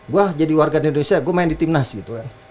gue jadi warga indonesia gue main di timnas gitu kan